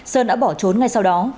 sơn đã bỏ trốn ngay sau đó